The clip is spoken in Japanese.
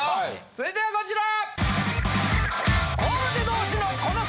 続いてはこちら！